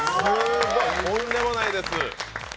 とんでもないです。